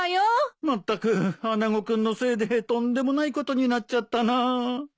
まったく穴子君のせいでとんでもないことになっちゃったな。